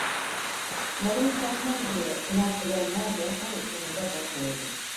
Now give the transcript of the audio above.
Malımı satmam! diye inat edenler de en sonunda boyun eğdi.